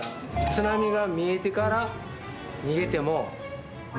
津波が見えてから逃げてももう？